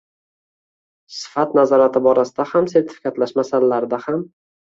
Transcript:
— sifat nazorati borasida ham, sertifikatlash masalalarida ham